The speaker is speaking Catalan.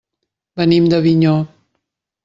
Venim d'Avinyó.